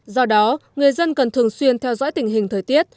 do đó người dân cần thường xuyên theo dõi tình hình thời tiết